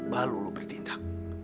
baru lo beri tindak